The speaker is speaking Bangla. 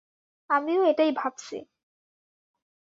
আমিও এটাই ভাবছি।